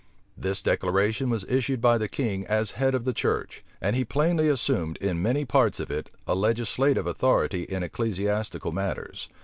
This declaration was issued by the king as head of the church; and he plainly assumed, in many parts of it, a legislative authority in ecclesiastical matters.